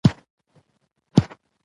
له ځایه پاڅېده او ولاړه.